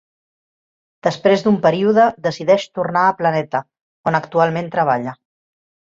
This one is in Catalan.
Després d'un període decideix tornar a Planeta on actualment treballa.